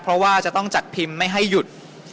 เพราะว่าจะต้องจัดพิมพ์ไม่ให้หยุด